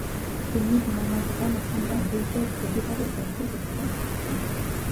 তিনি ধর্মপ্রান ছিলেন এবং দরবেশদের গভীরভাবে শ্রদ্ধা করতেন।